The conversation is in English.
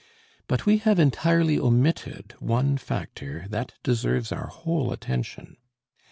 But we have entirely omitted one factor that deserves our whole attention.